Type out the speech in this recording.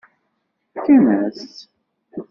Fkan-as-tt?